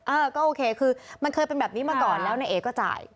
เออก็โอเคคือมันเคยเป็นแบบนี้มาก่อนแล้วนายเอก็จ่าย